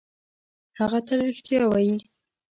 هغه تل رښتیا وايي.